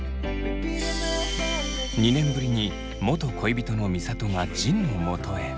２年ぶりに元恋人の美里が仁のもとへ。